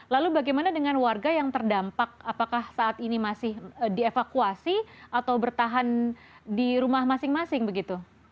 lalu bagaimana dengan warga yang terdampak apakah saat ini masih dievakuasi atau bertahan di rumah masing masing begitu